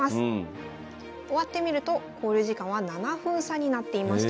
終わってみると考慮時間は７分差になっていました。